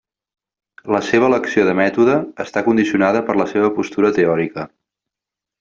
La seva elecció de mètode està condicionada per la seva postura teòrica.